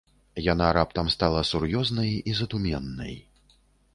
Яна раптам стала сур'ёзнай і задуменнай.